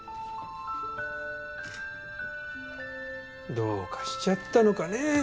どうかしちゃったのかね